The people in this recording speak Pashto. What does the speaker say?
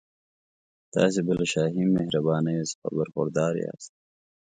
تاسي به له شاهي مهربانیو څخه برخوردار یاست.